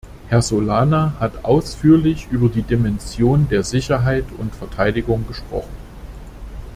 Herr Solana hat ausführlich über die Dimension der Sicherheit und Verteidigung gesprochen.